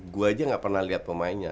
gue aja gak pernah lihat pemainnya